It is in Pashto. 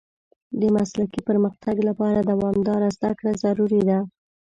د مسلکي پرمختګ لپاره دوامداره زده کړه ضروري ده.